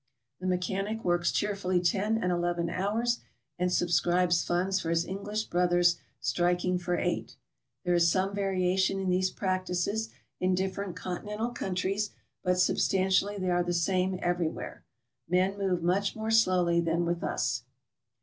The mechanic works cheerfully ten and eleven hours and subscribes funds for his English brothers striking for eight. There is some variation in these prac tices in different Continental countries, but substantially they are the same everywhere. Men move much more slowly than with us."